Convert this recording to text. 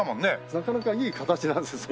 なかなかいい形なんですよ